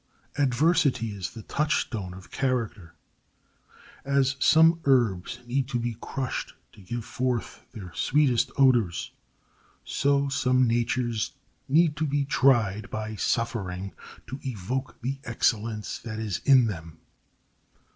Adversity is the touch stone of character. As some herbs need to be crushed to give forth their sweetest odors, so some natures need to be tried by suffering to evoke the excellence that is in them.